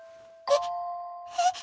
えっ？